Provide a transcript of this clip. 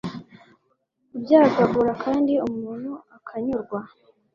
kuryagagura kandi umuntu akanyurwa